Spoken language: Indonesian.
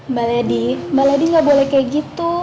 mbak lady mbak lady nggak boleh kayak gitu